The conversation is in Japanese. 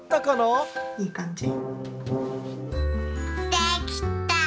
できた！